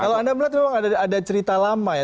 kalau anda melihat memang ada cerita lama ya